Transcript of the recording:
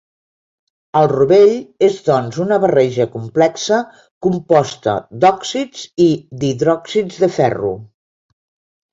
El rovell és doncs una barreja complexa, composta d'òxids i d'hidròxids de ferro.